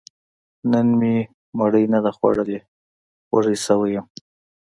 نن مې مړۍ نه ده خوړلې، وږی شوی يم